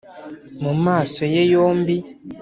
mu maso ye yombi